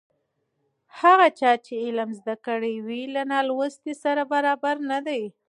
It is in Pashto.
هغه چا چې علم زده کړی وي له نالوستي سره برابر نه دی.